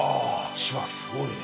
千葉すごいね。